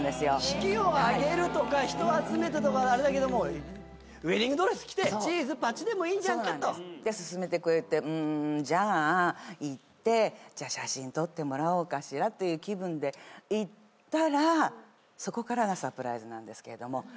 式を挙げるとか人を集めてとかあれだけどもウエディングドレス着てチーズパチでもいいじゃんかと。で勧めてくれてじゃあ行って写真撮ってもらおうかしらという気分で行ったら。